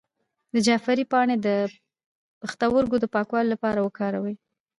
د جعفری پاڼې د پښتورګو د پاکوالي لپاره وکاروئ